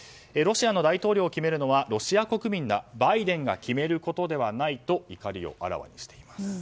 ロシアの大統領を決めるのはロシア国民だバイデンが決めることではないと怒りをあらわにしています。